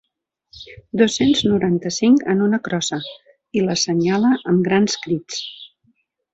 Dos-cents noranta-cinc en una crossa i l'assenyala amb grans crits.